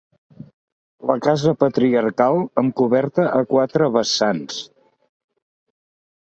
La casa patriarcal amb coberta a quatre vessants.